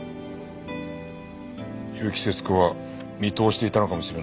結城節子は見通していたのかもしれないな